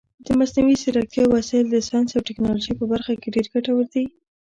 د مصنوعي ځیرکتیا وسایل د ساینس او ټکنالوژۍ په برخه کې ډېر ګټور دي.